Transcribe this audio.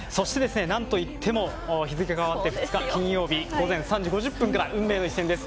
そしてですね、なんと言っても日付がかわって２日、金曜日午前３時５０分から運命の一戦です。